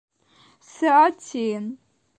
Thirteen.